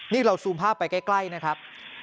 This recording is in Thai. นี่เราซูมภาพไปใกล้นะครับ